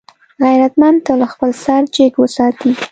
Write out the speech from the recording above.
غیرتمند تل خپل سر جګ وساتي